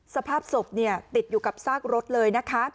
สภาพศพติดอยู่กับซากรถเลยนะคะ